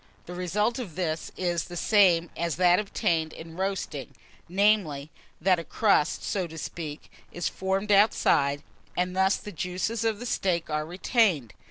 The result of this is the same as that obtained in roasting; namely, that a crust, so to speak, is formed outside, and thus the juices of the meat are retained.